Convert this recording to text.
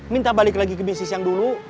minta balik lagi ke bisnis yang dulu